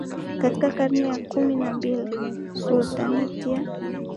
Katika karne ya kumi na mbili Sultanate ya